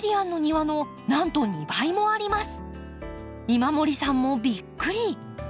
今森さんもびっくり！